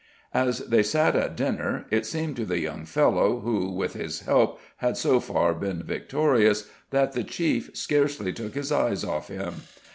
As they sat at dinner, it seemed to the young fellow who, with his help, had so far been victorious, that the chief scarcely took his eyes off him.